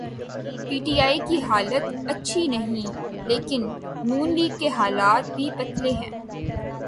P T I کی حالت اچھی نہیں لیکن نون لیگ کے حالات بھی پتلے ہیں۔